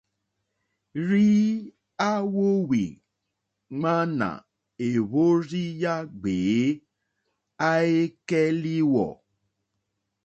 Rzii a wowi ŋmana èhvrozi ya gbèe, a e kɛ liwɔ̀,.